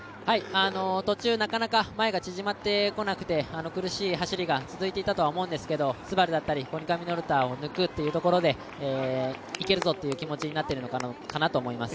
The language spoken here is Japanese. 途中なかなか前が縮まってこなくて苦しい走りが続いていたとは思うんですけどＳＵＢＡＲＵやコニカミノルタを抜くというところで、いけるぞという気持ちになっているのかなと思います。